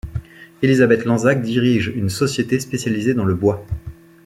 Élisabeth Lanzac dirige une société spécialisée dans le bois.